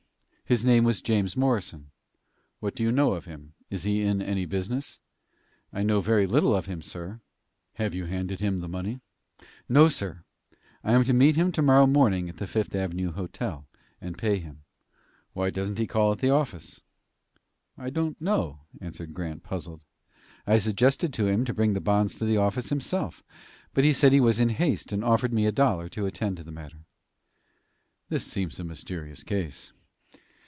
"His name is James Morrison." "What do you know of him? Is he in any business?" "I know very little of him, sir." "Have you handed him the money?" "No, sir. I am to meet him to morrow morning at the Fifth Avenue Hotel, and pay him." "Why doesn't he call at the office?" "I don't know," answered Grant, puzzled. "I suggested to him to bring the bonds to the office himself, but he said he was in haste, and offered me a dollar to attend to the matter." "This seems a mysterious case."